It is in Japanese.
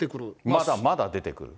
まだまだ出てくる。